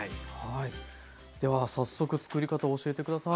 では早速つくり方教えて下さい。